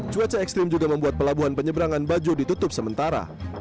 cuaca ekstrim juga membuat pelabuhan penyeberangan bajo ditutup sementara